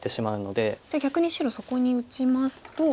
じゃあ逆に白そこに打ちますと。